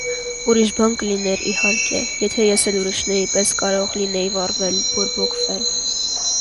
Ուրիշ բան կլիներ, իհարկե, եթե ես էլ ուրիշների պես կարող լինեի վառվել, բորբոքվել: